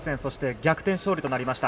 逆転勝利となりました。